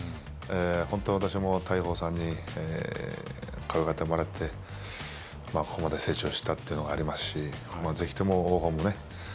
本当、私も大鵬さんにかわいがってもらってここまで成長したというのがありますしぜひとも王鵬もね